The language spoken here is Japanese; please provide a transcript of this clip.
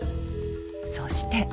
そして。